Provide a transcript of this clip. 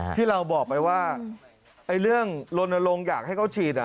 ที่เราบอกไปว่าเรื่องลนลงอยากให้เขาฉีด